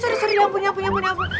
sorry sorry ya ampun ya ampun ya ampun